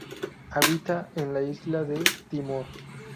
Habita en la isla de Timor.